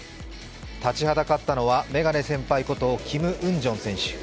立ちはだかったのはメガネ先輩こと、キム・ウンジョン選手。